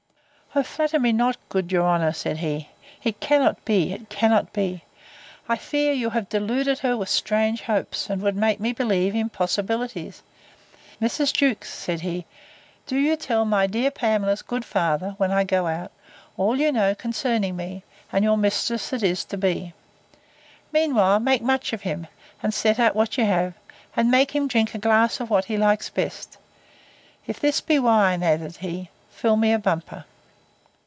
O flatter me not, good your honour, said he: It cannot be! it cannot be!—I fear you have deluded her with strange hopes; and would make me believe impossibilities!—Mrs. Jewkes, said he, do you tell my dear Pamela's good father, when I go out, all you know concerning me, and your mistress that is to be. Meantime, make much of him, and set out what you have; and make him drink a glass of what he likes best. If this be wine, added he, fill me a bumper.